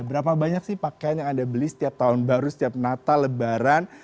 berapa banyak sih pakaian yang anda beli setiap tahun baru setiap natal lebaran